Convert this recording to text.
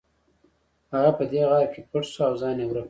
هغه په دې غار کې پټ شو او ځان یې ورک کړ